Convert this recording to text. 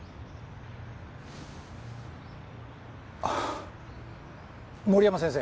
あ森山先生。